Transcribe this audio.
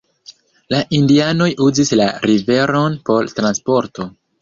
La indianoj uzis la riveron por transporto.